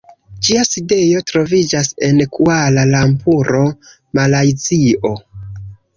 Ĝia sidejo troviĝas en Kuala-Lumpuro, Malajzio.